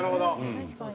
確かに。